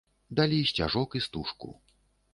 Далі сцяжок і стужку.